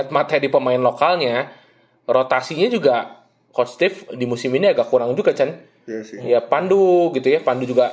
mendingnya cuma di pandu